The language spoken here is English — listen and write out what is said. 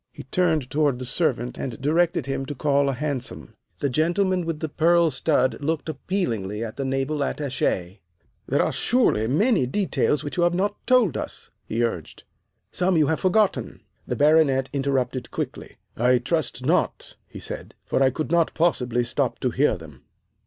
He turned toward the servant and directed him to call a hansom. The gentleman with the pearl stud looked appealingly at the Naval Attache. "There are surely many details that you have not told us," he urged. "Some you have forgotten." The Baronet interrupted quickly. "I trust not," he said, "for I could not possibly stop to hear them."